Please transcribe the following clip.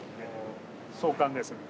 壮観ですね。